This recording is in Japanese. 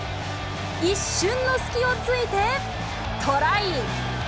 一瞬の隙をついてトライ。